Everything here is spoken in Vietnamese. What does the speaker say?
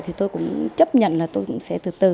thì tôi cũng chấp nhận là tôi cũng sẽ từ từ